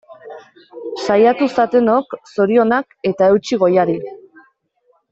Saiatu zatenok, zorionak eta eutsi goiari!